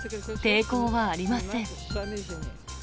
抵抗はありません。